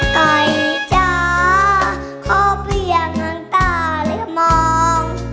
ใกล้จะเข้าไปอย่างหนังตาเหลือมอง